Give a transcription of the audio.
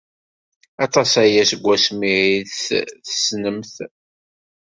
Aṭas aya seg wasmi ay t-tessnemt?